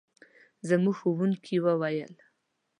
زموږ ښوونکي وویل.